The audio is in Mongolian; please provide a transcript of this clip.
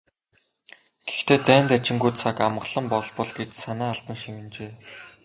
"Гэхдээ дайн дажингүй, цаг амгалан болбол" гэж санаа алдан шивнэжээ.